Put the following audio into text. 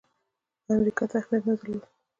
امریکا ته اهمیت نه درلود.